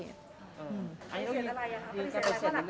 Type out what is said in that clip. ยืนการปฏิเสธเป็นเรื่องของอะไร